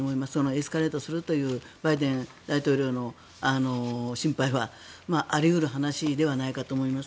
エスカレートするというバイデン大統領の心配はあり得る話ではないかと思います。